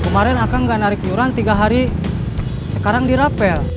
kemarin akan gak narik yuran tiga hari sekarang dirapel